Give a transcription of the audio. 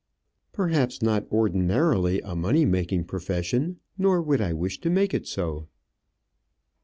"Perhaps not, ordinarily, a money making profession; nor would I wish to make it so."